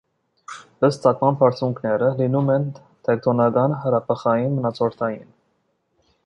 Ըստ ծագման բարձունքները լինում են տեկտոնական, հրաբխային, մնացորդային։